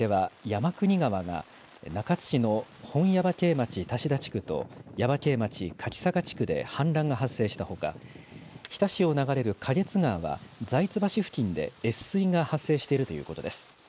大分県では山国川が中津市の本耶馬溪町多志田地区と耶馬渓町柿坂地区で氾濫が発生したほか、日田市を流れる花月川では財津橋付近で越水が発生しているということです。